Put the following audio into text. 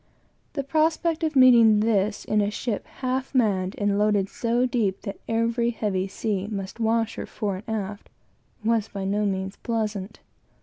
The prospect of meeting this in a ship half manned, and loaded so deep that every heavy sea must wash her fore and aft, was by no means pleasant.